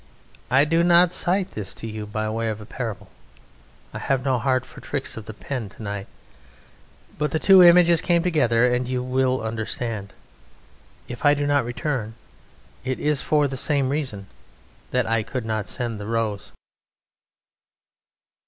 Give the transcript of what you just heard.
I do not cite this to you by way of parable. I have no heart for tricks of the pen to night; but the two images came together, and you will understand. If I do not return, it is for the same reason that I could not send the rose.